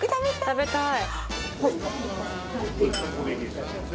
食べたい。